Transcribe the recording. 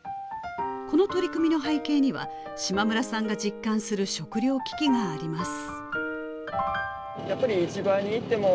この取り組みの背景には島村さんが実感する食糧危機があります